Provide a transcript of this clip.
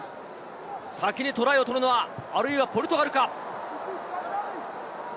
先にトライをとるのはポルトガルか。